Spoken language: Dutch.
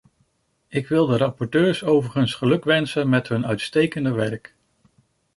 Ik wil de rapporteurs overigens gelukwensen met hun uitstekende werk.